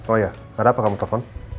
oh iya ada apa kamu telfon